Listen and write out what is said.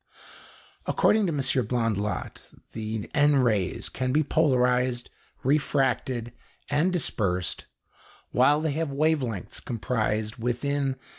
According to M. Blondlot the N rays can be polarised, refracted, and dispersed, while they have wavelengths comprised within